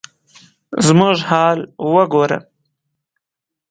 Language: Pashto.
زموږ حال وګوره ؟